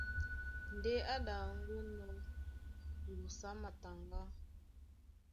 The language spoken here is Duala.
Ndé á ɗaŋgónɔ̄ ŋgusu á mataŋgá,